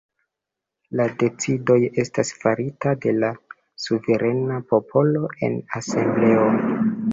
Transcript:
La decidoj estas faritaj de la suverena popolo en asembleo.